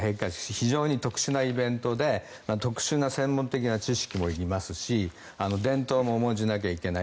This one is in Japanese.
非常に特殊なイベントで特殊な専門的な知識もいりますし伝統も重んじなければいけない。